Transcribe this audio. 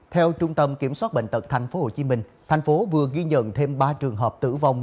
theo trung tâm kiểm soát bệnh tật tp hcm thành phố vừa ghi nhận thêm ba trường hợp tử vong